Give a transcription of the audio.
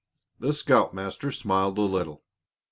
The scoutmaster smiled a little.